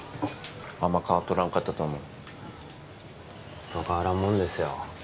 あんま変わっとらんかったと思うそう変わらんもんですよ